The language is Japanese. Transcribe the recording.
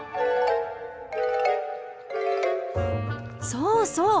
そうそう。